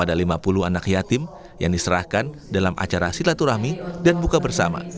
ada lima puluh anak yatim yang diserahkan dalam acara silaturahmi dan buka bersama